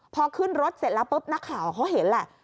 พอขึ้นรถเสร็จแล้วปุ๊บนักข่าวเขาเห็นแหละ